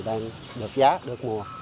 đang được giá được mua